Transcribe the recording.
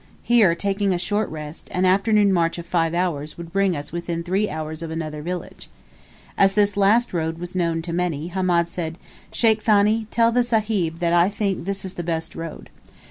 Here taking a short rest, an afternoon march of five hours would bring us within three hours of another village. As this last road was known to many, Hamed said, "Sheikh Thani, tell the Sahib that I think this is the best road."